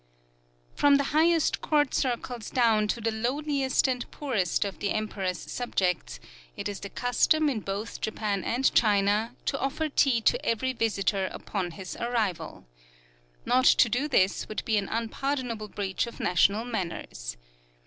From the highest court circles down to the lowliest and poorest of the Emperor's subjects, it is the custom in both Japan and China to offer tea to every visitor upon his arrival. Not to do this would be an unpardonable breach of national manners.